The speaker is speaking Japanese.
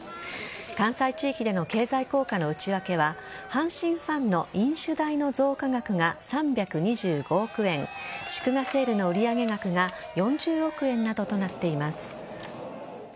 関西地域での経済効果の内訳は阪神ファンの飲酒代の増加額が３２５億円祝賀セールの売上額が４０億円などとなっています。